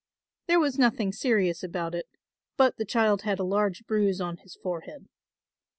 There was nothing serious about it, but the child had a large bruise on his forehead.